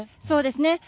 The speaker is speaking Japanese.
そうですね。